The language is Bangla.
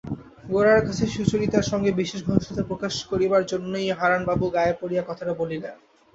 গোরার কাছে সুচরিতার সঙ্গে বিশেষ ঘনিষ্ঠতা প্রকাশ করিবার জন্যই হারানবাবু গায়ে পড়িয়া কথাটা বলিলেন।